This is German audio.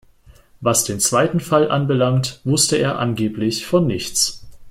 Was den zweiten Fall anbelangt, wusste er angeblich von nichts.